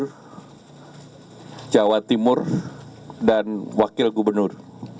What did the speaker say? kami berkawan dengan jawa timur dan wakil gubernur